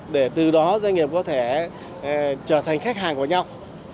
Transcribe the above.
để từ đó doanh nghiệp có thể trở thành khách hàng của nhau